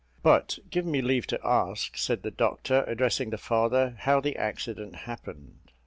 "But, give me leave to ask," said the doctor, addressing the father, "how the accident happened?"